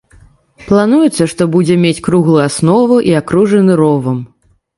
Плануецца, што будзе мець круглую аснову і акружаны ровам.